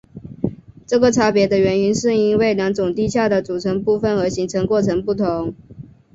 这个差别的原因是因为两种地壳的组成部分和形成过程不同。